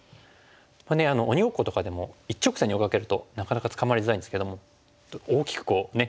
鬼ごっことかでも一直線に追いかけるとなかなか捕まりづらいんですけども大きくこうね